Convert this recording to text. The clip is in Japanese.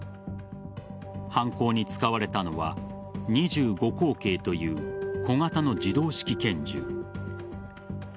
犯行に使われたのは２５口径という小型の自動式拳銃。